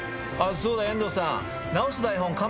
そうだ遠藤さん。